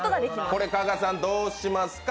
これ、加賀さんどうしますか？